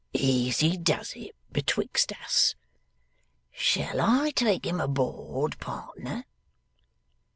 'Easy does it, betwixt us. Shall I take him aboard, pardner?